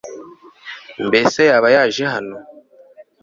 mbese yaba yaje hano